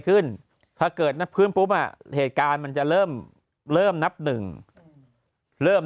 ถ้าเกิดนับพื้นปุ๊บอ่ะเหตุการณ์มันจะเริ่มเริ่มนับหนึ่งเริ่ม